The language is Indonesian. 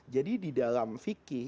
jadi di dalam fikir